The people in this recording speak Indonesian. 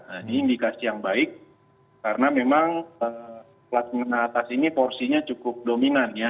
nah ini indikasi yang baik karena memang kelas menengah atas ini porsinya cukup dominan ya